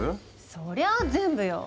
そりゃあ全部よ。